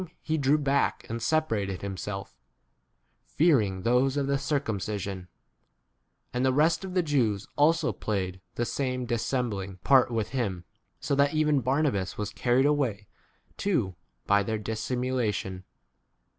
tie drew back and separated him self, fearing those of [the] circum 5 cision ; and the rest of the Jews also played the same dissembling part with him ; so that even Barnabas was carried away too 1 by their dissimulation.